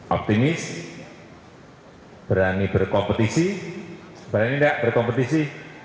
optimis berani berkompetisi berani enggak berkompetisi